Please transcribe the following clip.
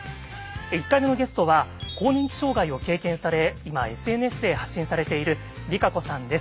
１回目のゲストは更年期障害を経験され今ＳＮＳで発信されているＲＩＫＡＣＯさんです。